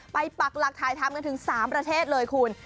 ปักหลักถ่ายทำกันถึง๓ประเทศเลยคุณ